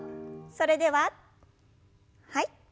それでははい。